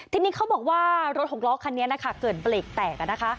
ทีนี้เขาบอกว่ารถหกล้อคันนี้เกิดเบรกแตก